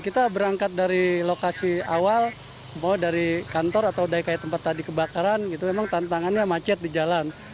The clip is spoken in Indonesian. kita berangkat dari lokasi awal bahwa dari kantor atau dari tempat tadi kebakaran gitu memang tantangannya macet di jalan